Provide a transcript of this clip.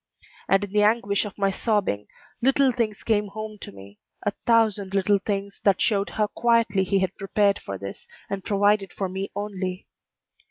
And in the anguish of my sobbing, little things came home to me, a thousand little things that showed how quietly he had prepared for this, and provided for me only.